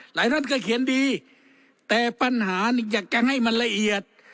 หลายท่านก็เขียนดีแต่ปัญหานี่อยากจะให้มันละเอียด